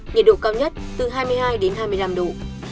nhiệt độ cao nhất từ hai mươi hai đến hai mươi năm độ